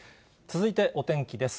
続いて、お天気です。